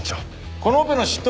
このオペの執刀